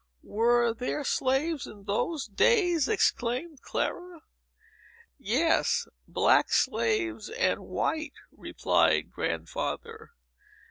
"Were there slaves in those days?" exclaimed Clara. "Yes; black slaves and white," replied Grandfather.